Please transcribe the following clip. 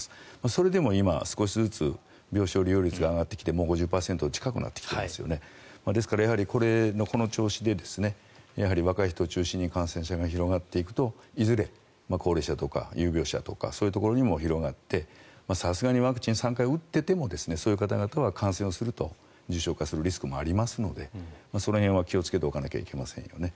それでも少しずつ病床使用率が上がってきて５０％近くなってきていますよねですからこの調子でやはり若い人を中心に感染者が広がっていくといずれ、高齢者とか有病者とかにも広がってさすがにワクチンを３回打っていてもそういう方々は感染すると重症化するリスクもあるのでその辺は気をつけておかなければいけませんよね。